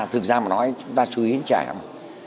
thực ra mà nói chúng ta chú ý đến trẻ không